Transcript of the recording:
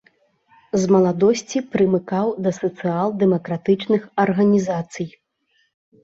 З маладосці прымыкаў да сацыял-дэмакратычных арганізацый.